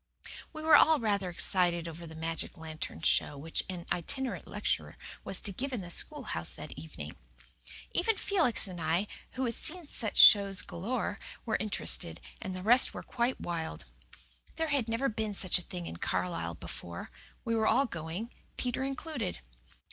We were all rather excited over the magic lantern show which an itinerant lecturer was to give in the schoolhouse that evening. Even Felix and I, who had seen such shows galore, were interested, and the rest were quite wild. There had never been such a thing in Carlisle before. We were all going, Peter included.